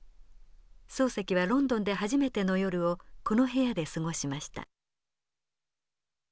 漱石はロンドンで初めての夜をこの部屋で過ごしました。